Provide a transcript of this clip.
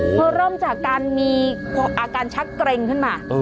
พอเริ่มจากการมีอาการชักเกร็งขึ้นมา